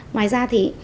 ngoài ra thì